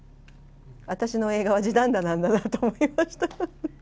私の映画は地団駄なんだなと思いました。